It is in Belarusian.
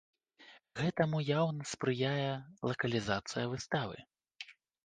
Гэтаму яўна спрыяе лакалізацыя выставы.